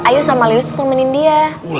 ayo sama lius temenin dia